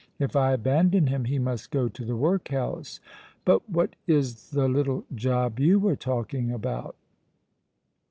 "If I abandon him, he must go to the workhouse. But what is the little job you were talking about?"